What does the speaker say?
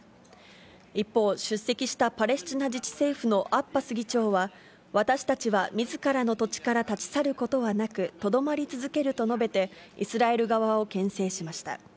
一方、出席したパレスチナ自治政府のアッバス議長は、私たちはみずからの土地から立ち去ることはなく、とどまり続けると述べて、イスラエル側をけん制しました。